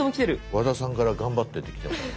和田さんから「頑張って」って来てます。